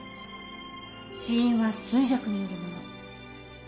死因は衰弱によるもの。